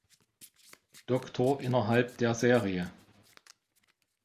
Doktor innerhalb der Serie.